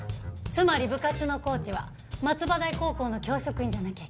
つまり部活のコーチは松葉台高校の教職員じゃなきゃいけないの。